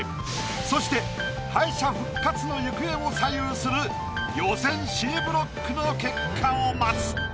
そして敗者復活の行方を左右する予選Ｃブロックの結果を待つ。